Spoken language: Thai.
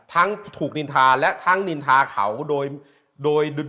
ทั้งถูกนินทรและทางนินทรเข่าโดย